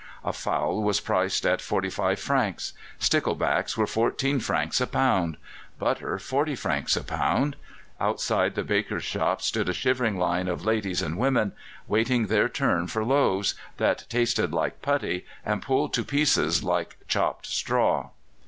A fowl was priced at forty five francs; stickleback were fourteen francs a pound; butter, forty francs a pound. Outside the bakers' shops stood a shivering line of ladies and women, waiting their turn for loaves that tasted like putty, and pulled to pieces like chopped straw.